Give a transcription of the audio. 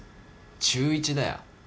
中１だよ。